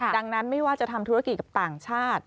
ดังนั้นไม่ว่าจะทำธุรกิจกับต่างชาติ